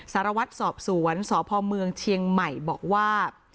สารวัตรสอบสวนสพเมืองเชียงใหม่บอกว่า